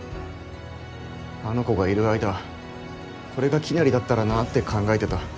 あの子がいる間これがきなりだったらなぁって考えてた。